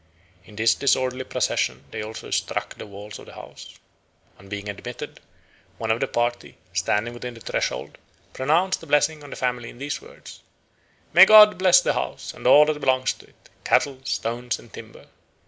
In this disorderly procession they also struck the walls of the house. On being admitted, one of the party, standing within the threshold, pronounced a blessing on the family in these words: "May God bless the house and all that belongs to it, cattle, stones, and timber!